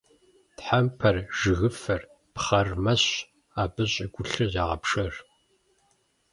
Тхьэмпэр, жыгыфэр, пхъэр мэщ, абы щӀыгулъыр ягъэпшэр.